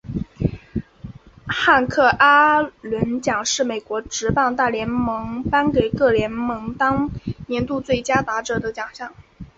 汉克阿伦奖是美国职棒大联盟颁给各联盟当年度最佳打者的奖项。